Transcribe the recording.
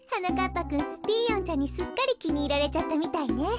ぱくんピーヨンちゃんにすっかりきにいられちゃったみたいね。